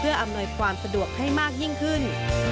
อำนวยความสะดวกให้มากยิ่งขึ้น